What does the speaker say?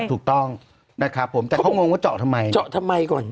ถูกต้องนะครับผมแต่เขางงว่าเจาะทำไมเจาะทำไมก่อน